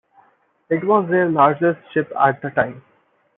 It was their largest ship at the time.